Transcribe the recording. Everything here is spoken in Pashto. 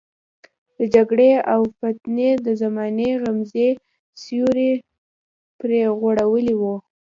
د جګړې او فتنې د زمانې غمیزې سیوری پرې غوړولی وو.